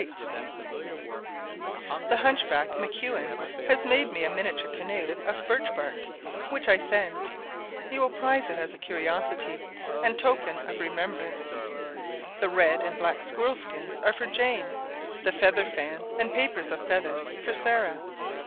[Illustration: Red bird] [Illustration: Blue bird] The hunchback Maquin has made me a miniature canoe of birch bark, which I send; you will prize it as a curiosity, and token of remembrance. The red and black squirrel skins are for Jane; the feather fans, and papers of feathers, for Sarah.